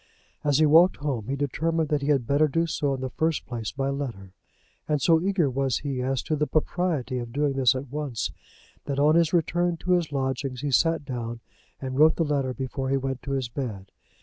As he walked home he determined that he had better do so in the first place by letter, and so eager was he as to the propriety of doing this at once, that on his return to his lodgings he sat down, and wrote the letter before he went to his bed.